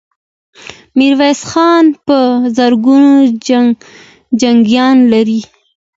ميرويس خان په زرګونو جنګيالي لري.